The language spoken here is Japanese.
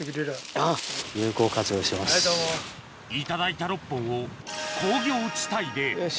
頂いた６本を工業地帯でよし。